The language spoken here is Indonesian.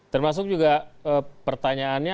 termasuk juga pertanyaannya